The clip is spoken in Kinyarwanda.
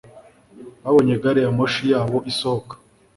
babonye gari ya moshi yabo isohoka